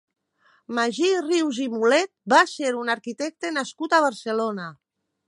Magí Rius i Mulet va ser un arquitecte nascut a Barcelona.